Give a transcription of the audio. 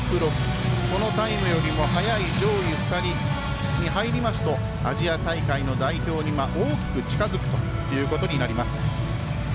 このタイムよりも早い上位２人に入りますとアジア大会の代表に大きく近づくということになります。